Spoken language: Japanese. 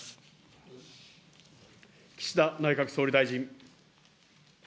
岸田内閣総理大臣。